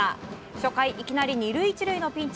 初回、いきなり２塁１塁のピンチ。